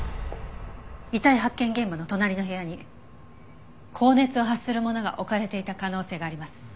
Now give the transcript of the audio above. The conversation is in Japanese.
遺体発見現場の隣の部屋に高熱を発するものが置かれていた可能性があります。